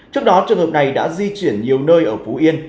trước đó trường hợp này đã di chuyển nhiều nơi ở phú yên